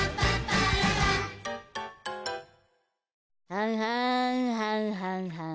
ははんはんはんはん。